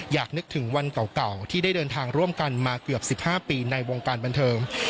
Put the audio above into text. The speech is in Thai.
อยากนึกถึงวันเก่าที่ได้เดินทางร่วมกันมาเกือบ๑๕ปีในวงการบันเทิง